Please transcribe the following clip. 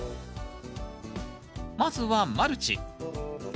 まずはマルチ。